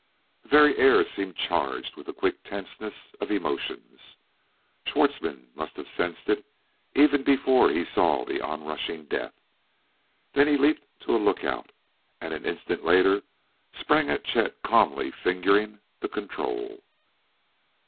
The very air seemed charged with the quick tenseness of emotions. Schwartzmann must have sensed it even before he saw the onrushing death. Then he leaped to a lookout, and, an instant later, sprang at Chet calmly fingering the control.